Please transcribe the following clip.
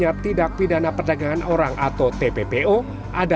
jika bekerja di negara tujuan